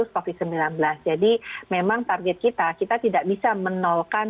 tapi memang target kita kita tidak bisa menol kan